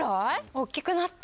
おっきくなった。